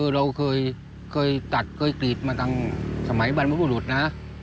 เราเคยตัดเคยกรีดมาตั้งสมัยบรรพบุรุษนะ